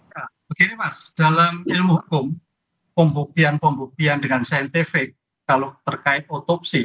ya begini mas dalam ilmu hukum pembuktian pembuktian dengan saintifik kalau terkait otopsi